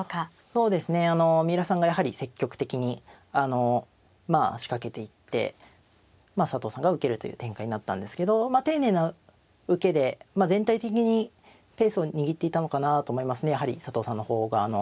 そうですね三浦さんがやはり積極的にまあ仕掛けていって佐藤さんが受けるという展開になったんですけど丁寧な受けで全体的にペースを握っていたのかなと思いますねやはり佐藤さんの方が。